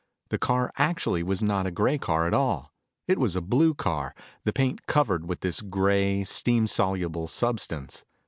The car actually was not a gray car at all. It was a blue car, the paint covered with this gray, steam soluble substance.